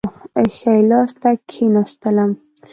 ښي لاس ته کښېنستلم.